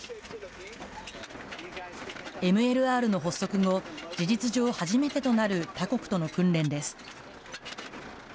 ＭＬＲの発足後、事実上、初めてとなる他国との訓練です。